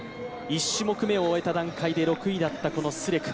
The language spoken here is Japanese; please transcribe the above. １種目めを終えた段階で６位だったスレク。